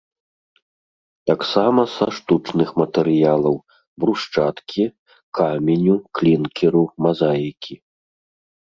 Таксама са штучных матэрыялаў: брусчаткі, каменю, клінкеру, мазаікі